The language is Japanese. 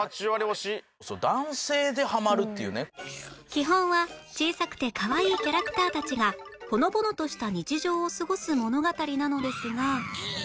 基本は小さくてかわいいキャラクターたちがほのぼのとした日常を過ごす物語なのですが